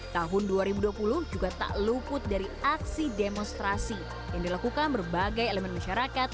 tahun dua ribu dua puluh juga tak luput dari aksi demonstrasi yang dilakukan berbagai elemen masyarakat